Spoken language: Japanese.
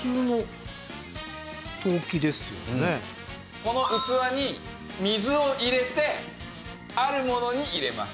この器に水を入れてあるものに入れます。